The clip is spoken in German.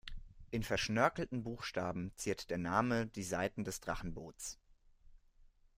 In verschnörkelten Buchstaben ziert der Name die Seiten des Drachenboots.